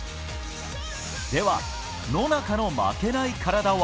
では、野中の負けないカラダは？